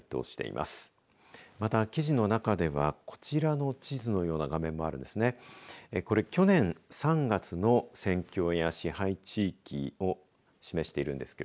また、記事の中ではこちらの地図のような画面もあるんですね。